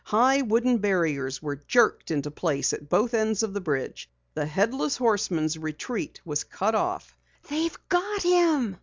High wooden barriers were jerked into place at both ends of the bridge. The Headless Horseman's retreat was cut off. "They've got him!"